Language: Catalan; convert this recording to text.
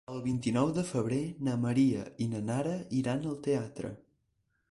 El vint-i-nou de febrer na Maria i na Nara iran al teatre.